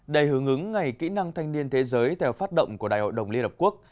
đầy hướng ứng ngày kỹ năng thanh niên thế giới theo phát động của đại hội đồng liên hợp quốc